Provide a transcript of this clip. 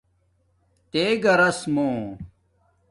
تے گھراس مُو